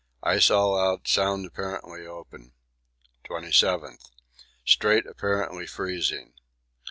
Ice all out, sound apparently open. 27th. Strait apparently freezing.